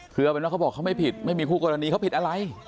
คือเอาเป็นว่าเขาบอกเขาไม่ผิดไม่มีคู่กรณีเขาผิดอะไร